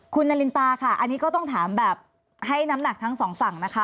คุณนารินตาค่ะอันนี้ก็ต้องถามแบบให้น้ำหนักทั้งสองฝั่งนะคะ